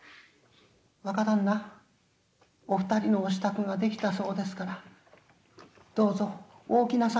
「若旦那お二人のお支度ができたそうですからどうぞお起きなさいましな」。